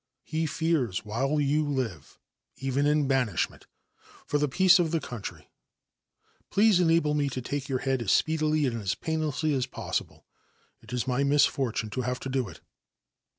He fears while you live, even in banishment, f the peace of the country. Please enable me to take yo head as speedily and as painlessly as possible. It is r misfortune to have to do it.'